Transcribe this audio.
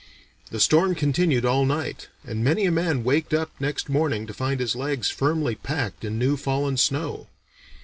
The storm continued all night, and many a man waked up next morning to find his legs firmly packed in new fallen snow.